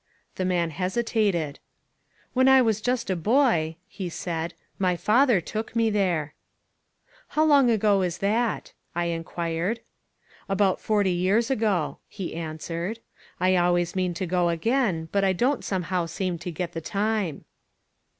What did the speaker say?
The man hesitated. "When I was just a boy," he said, "my father took me there." "How long ago is that?" I enquired. "About forty years ago," he answered; "I always mean to go again but I don't somehow seem to get the time."